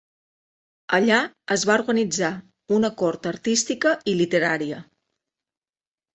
Allà es va organitzar una cort artística i literària.